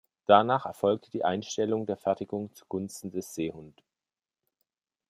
Danach erfolgte die Einstellung der Fertigung zugunsten des "Seehund".